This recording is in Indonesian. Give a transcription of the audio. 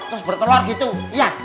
terus bertelur gitu lihat